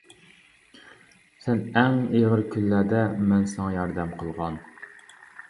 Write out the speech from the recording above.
سەن ئەڭ ئېغىر كۈنلەردە مەن ساڭا ياردەم قىلغان.